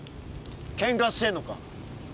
ケンカしてんのか？